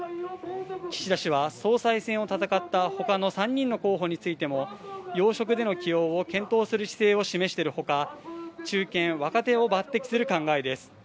岸田氏は総裁選を戦ったほかの３人の候補についても要職での起用を検討する姿勢を示しているほか中堅若手を抜てきする考えです